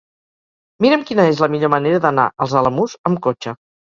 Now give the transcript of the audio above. Mira'm quina és la millor manera d'anar als Alamús amb cotxe.